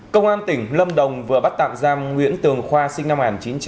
công an tỉnh lâm đồng vừa bắt tạm giam nguyễn tường khoa sinh năm một nghìn chín trăm tám mươi